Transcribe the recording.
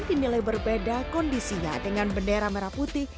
dinilai berbeda kondisinya dengan bendera merah putih